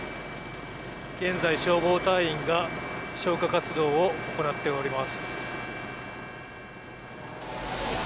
現在、消防隊員が消火活動を行っております。